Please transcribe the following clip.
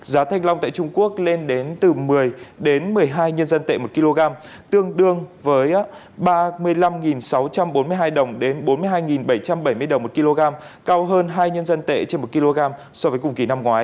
giá thanh long tại trung quốc lên đến từ một mươi đến một mươi hai nhân dân tệ một kg tương đương với ba mươi năm sáu trăm bốn mươi hai đồng đến bốn mươi hai bảy trăm bảy mươi đồng một kg cao hơn hai nhân dân tệ trên một kg so với cùng kỳ năm ngoái